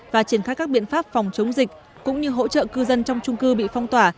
và triển khai các biện pháp phòng chống dịch cũng như hỗ trợ cư dân trong trung cư bị phong tỏa